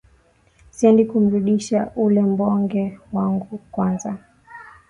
siendi kumrudisha ule mbunge wangu kwanza